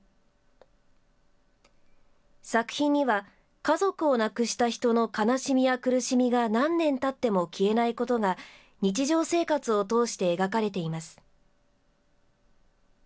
作品には家族を亡くした人の悲しみや苦しみが何年たっても消えないことが、日常生活を通して描かれています。